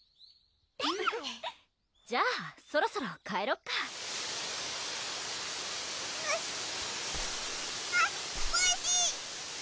じゃあそろそろ帰ろっかうんあっぼうし！